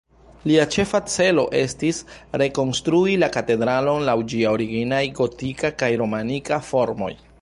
Lia ĉefa celo estis, rekonstrui la katedralon laŭ ĝia originaj gotika kaj romanika formoj.